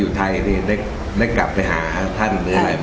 อยู่ไทยได้กลับไปหาท่านหรืออะไร